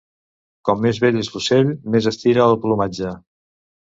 Com més vell és l'ocell més estira el plomatge.